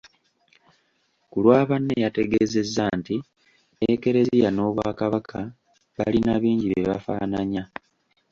Ku lwa banne yategeezezza nti Ekereziya n'Obwakabaka balina bingi bye bafaananya.